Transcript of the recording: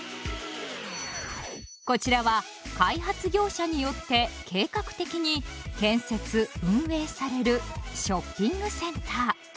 こちらは開発業者によって計画的に建設・運営されるショッピングセンター。